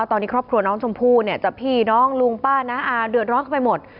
ตอนนี้ครอบครัวน้องชมพู่เนี่ยจะพี่น้องลุงป้าน้าอาเดือดร้อนกันไปหมด